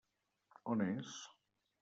On és?